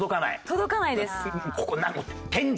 届かないです。